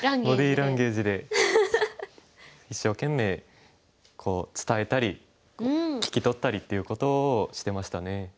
ボディーランゲージで一生懸命伝えたり聞き取ったりっていうことをしてましたね。